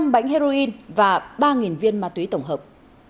năm bánh heroin và ba viên ma túy tổng hợp